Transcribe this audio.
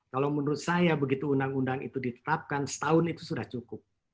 kalau menurut saya begitu undang undang itu ditetapkan setahun itu sudah cukup